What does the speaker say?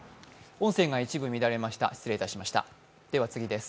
音声が一部乱れました失礼いたしました。